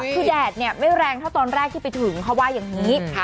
คือแดดเนี่ยไม่แรงเท่าตอนแรกที่ไปถึงเขาว่าอย่างนี้